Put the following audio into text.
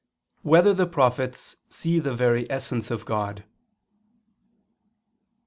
1] Whether the Prophets See the Very Essence of God?